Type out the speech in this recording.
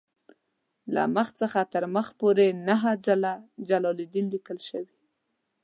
له مخ څخه تر مخ پورې نهه ځله جلالدین لیکل شوی.